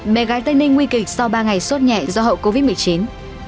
mẹ gái tên ninh nguy kịch sau ba ngày sốt nhẹ do hậu covid một mươi chín